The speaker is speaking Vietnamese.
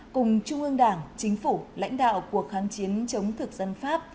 cùng trung ương đảng chính phủ lãnh đạo cuộc kháng chiến chống thực dân pháp